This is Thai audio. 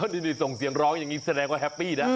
นี่ส่งเสียงร้องอย่างนี้แสดงว่าแฮปปี้นะ